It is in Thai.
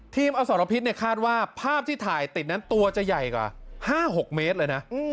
อสรพิษคาดว่าภาพที่ถ่ายติดนั้นตัวจะใหญ่กว่า๕๖เมตรเลยนะ